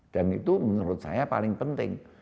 dan itu menurut saya paling penting